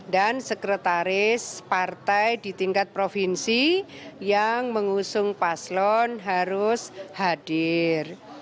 dan sekretaris partai di tingkat provinsi yang mengusung paslon harus hadir